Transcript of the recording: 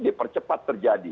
dia percepat terjadi